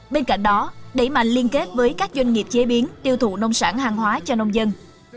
bên cạnh đó đẩy mạnh liên kết với các doanh nghiệp chế biến tiêu thụ nông sản hàng hóa cho nông dân